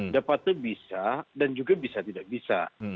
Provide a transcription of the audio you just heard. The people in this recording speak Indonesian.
dapatnya bisa dan juga bisa tidak bisa